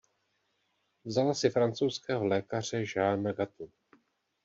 Vzala si francouzského lékaře Jeana Ghatu.